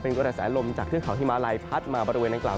เป็นกระแสลมจากเทือกเขาฮิมาลัยพัดมาบริเวณอังกล่าว